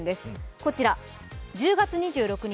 こちら、１０月２６日